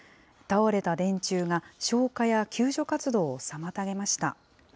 倒れた電柱が消火や救助活動を妨げました。